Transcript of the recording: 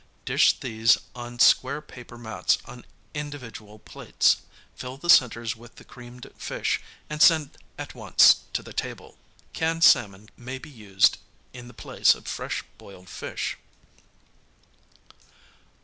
Dish these on square paper mats on individual plates, fill the centers with the creamed fish and send at once to the table. Canned salmon may be used in the place of fresh boiled fish.